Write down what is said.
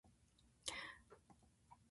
ごはんがまずい